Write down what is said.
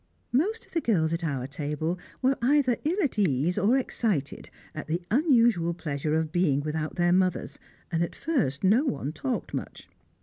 Most of the girls at our table were either ill at ease or excited at the unusual pleasure of being without their mothers, and at first no one talked much.